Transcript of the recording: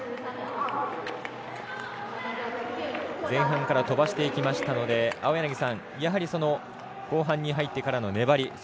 前半から飛ばしていきましたので青柳さんやはり後半に入ってからの粘り